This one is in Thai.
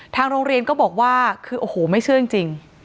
ทางโรงเรียนก็บอกว่าคือโอ้โหไม่เชื่อจริง